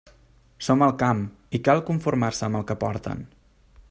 Som al camp i cal conformar-se amb el que porten.